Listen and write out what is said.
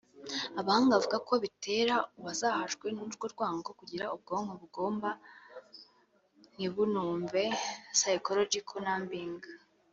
Abahanga bavuga ko bitera uwazahajwe n’urwo rwango kugira ubwonko bugobwa ntibunumve (pschological numbing)